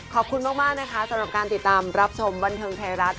ขอบคุณมากนะคะสำหรับการติดตามรับชมบันเทิงไทยรัฐ